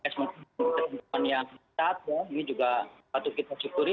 kesempatan yang sehat ya ini juga satu kita syukuri